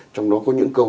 trong đó có những câu